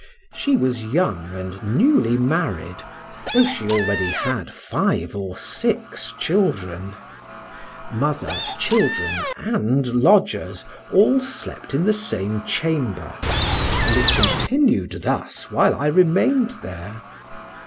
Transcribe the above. She was young and newly married, though she already had five or six children. Mother, children and lodgers, all slept in the same chamber, and it continued thus while I remained there.